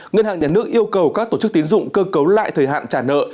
ngân hàng nhà nước yêu cầu các tổ chức tiến dụng cơ cấu lại thời hạn trả nợ